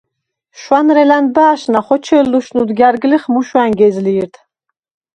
შუ̂ანრე ლა̈ნბა̄̈შნა ხოჩე̄ლ ლუშნუდ გა̈რგლიხ, მუშუ̂ა̈ნ გეზლი̄რდ!